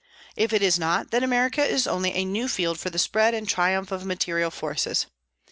If it is not, then America is only a new field for the spread and triumph of material forces.